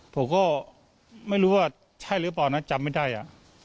ผมก็ไม่รู้ว่าใช่หรือเปล่านะจำไม่ได้อ่ะ